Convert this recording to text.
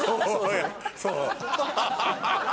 そう。